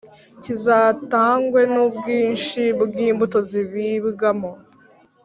kizatangwe n ubwinshi bw imbuto zibibwamo